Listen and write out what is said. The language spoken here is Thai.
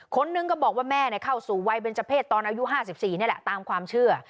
คนนึงก็บอกว่าแม่เข้าสู่วัยเบนเจอร์เพศตอนอายุ๕๔นี่แหละตามความเชื่อ